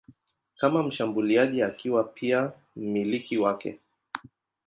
kama mshambuliaji akiwa pia mmiliki wake.